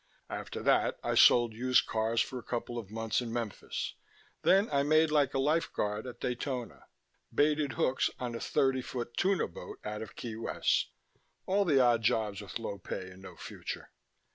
"After that I sold used cars for a couple of months in Memphis; then I made like a life guard at Daytona; baited hooks on a thirty foot tuna boat out of Key West; all the odd jobs with low pay and no future.